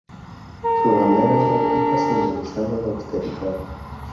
Su bandera era blanca simbolizando la austeridad.